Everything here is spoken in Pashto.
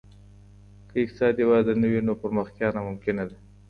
که اقتصادي وده نه وي نو پرمختيا ناممکنه ده.